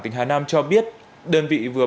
tỉnh hà nam cho biết đơn vị vừa